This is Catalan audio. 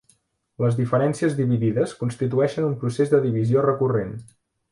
Les diferències dividides constitueixen un procés de divisió recurrent.